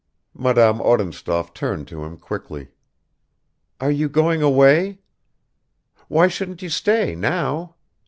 Madame Odintsov turned to him quickly. "Are you going away? Why shouldn't you stay now?